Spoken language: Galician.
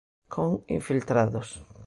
Con Infiltrados.